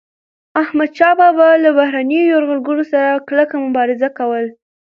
احمدشاه بابا به له بهرنيو یرغلګرو سره کلکه مبارزه کوله.